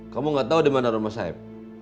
kamu nggak tahu di mana rumah saib